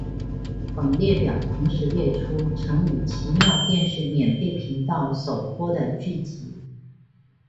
本列表同时列出曾于奇妙电视免费频道首播的剧集。